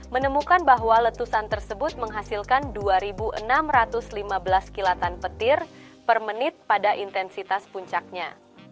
menemukan bahwa letusan tersebut menghasilkan dua enam ratus lima belas kilatan petir per menit pada intensitas puncaknya